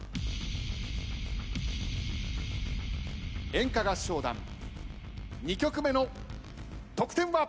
演歌合唱団２曲目の得点は。